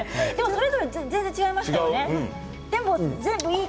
それぞれ全然違いますよね。